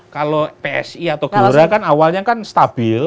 kalau psi atau gelora kan awalnya kan stabil